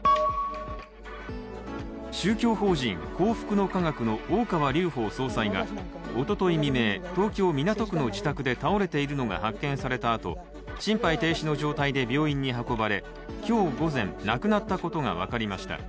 宗教法人、幸福の科学の大川隆法総裁がおととい未明、東京・港区の自宅で倒れているのが発見されたあと心肺停止の状態で病院に運ばれ今日午前、亡くなったことが分かりました。